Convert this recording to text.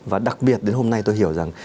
và đặc biệt đến hôm nay tôi hiểu rằng